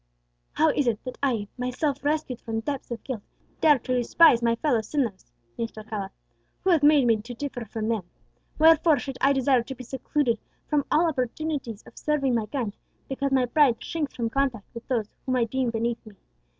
"How is it that I, myself rescued from depths of guilt, dare to despise my fellow sinners?" mused Alcala. "Who hath made me to differ from them? Wherefore should I desire to be secluded from all opportunities of serving my kind, because my pride shrinks from contact with those whom I deem beneath me?